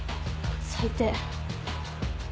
最低。